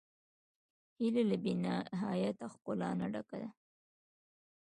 هیلۍ له بېنهایت ښکلا نه ډکه ده